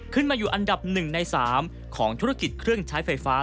ขึ้นมาอยู่อันดับ๑ใน๓ของธุรกิจเครื่องใช้ไฟฟ้า